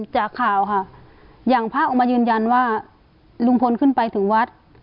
จากข่าวค่ะอย่างพระออกมายืนยันว่าลุงพลขึ้นไปถึงวัด